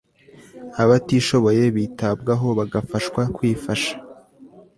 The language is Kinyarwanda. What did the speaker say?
abatishoboye bitabwaho bagafashwa kwifasha